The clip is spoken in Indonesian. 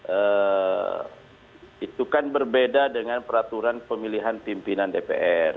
eee itu kan berbeda dengan peraturan pemilihan pimpinan dpr